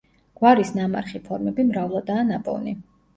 გვარის ნამარხი ფორმები მრავლადაა ნაპოვნი.